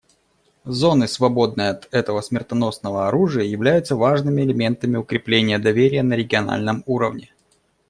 Зоны, свободные от этого смертоносного оружия, являются важными элементами укрепления доверия на региональном уровне.